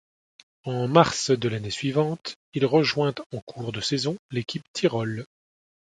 En mars de l'année suivante, il rejoint en cours de saison l'équipe Tirol.